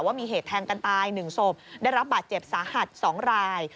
ว่ามีเหตุแทงกันตาย๑ศพได้รับบาดเจ็บสาหัส๒ราย